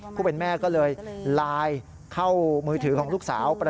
ผู้เป็นแม่ก็เลยไลน์เข้ามือถือของลูกสาว